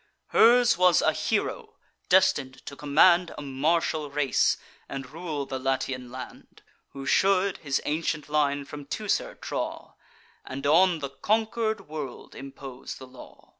Hers was a hero, destin'd to command A martial race, and rule the Latian land, Who should his ancient line from Teucer draw, And on the conquer'd world impose the law.